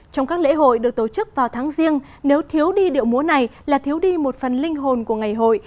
trong các lễ hội được tổ chức vào tháng riêng nếu thiếu đi điệu múa này là thiếu đi một phần linh hồn của ngày hội